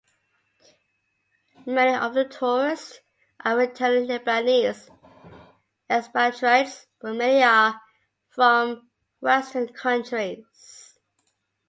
Many of the tourists are returning Lebanese expatriates, but many are from Western countries.